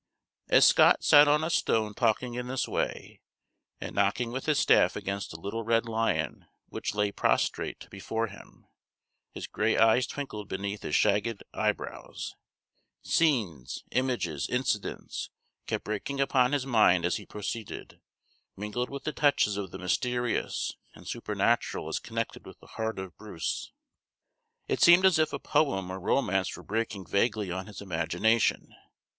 As Scott sat on a stone talking in this way, and knocking with his staff against the little red lion which lay prostrate before him, his gray eyes twinkled beneath his shagged eyebrows; scenes, images, incidents, kept breaking upon his mind as he proceeded, mingled with touches of the mysterious and supernatural as connected with the heart of Bruce. It seemed as if a poem or romance were breaking vaguely on his imagination.